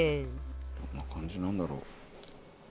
どんな感じなんだろう？